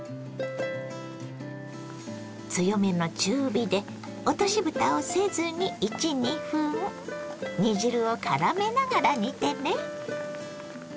強めの中火で落としぶたをせずに１２分煮汁をからめながら煮てね。